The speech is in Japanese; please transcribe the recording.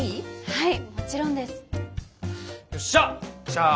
はい！